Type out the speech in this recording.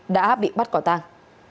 đã bị bắt quả tang